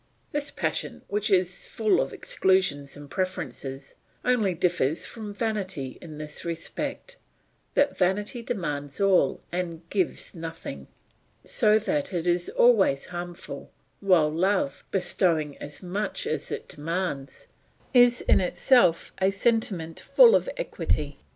This passion which is full of exclusions and preferences, only differs from vanity in this respect, that vanity demands all and gives nothing, so that it is always harmful, while love, bestowing as much as it demands, is in itself a sentiment full of equity.